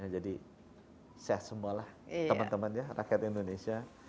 jadi sehat semua lah teman teman ya rakyat indonesia